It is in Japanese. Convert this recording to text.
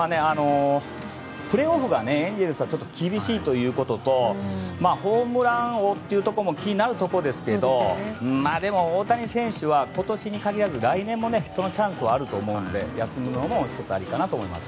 プレーオフがエンゼルスはもう厳しいということとホームラン王というところも気になるところですがでも、大谷選手は今年に限らず来年もそのチャンスはあると思うので休むのもありかなと思います。